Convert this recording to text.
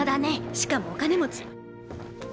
しかもお金持ち。